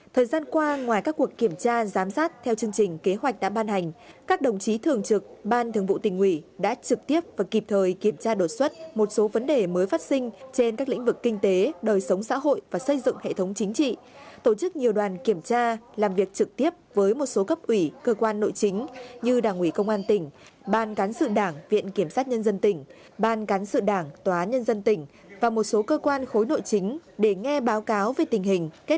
thời gian qua ngoài các cuộc kiểm tra giám sát theo chương trình kế hoạch đã ban hành các đồng chí thường trực ban thường vụ tình ủy đã trực tiếp và kịp thời kiểm tra đột xuất một số vấn đề mới phát sinh trên các lĩnh vực kinh tế đời sống xã hội và xây dựng hệ thống chính trị tổ chức nhiều đoàn kiểm tra làm việc trực tiếp với một số cấp ủy cơ quan nội chính như đảng ủy công an tỉnh ban cán sự đảng viện kiểm sát nhân dân tỉnh ban cán sự đảng tòa án nhân dân tỉnh và một số cơ quan khối nội chính để nghe báo cáo về tình hình